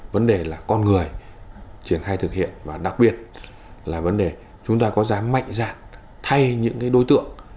vấn đề là con người triển khai thực hiện và đặc biệt là vấn đề chúng ta có dám mạnh dạng thay những đối tượng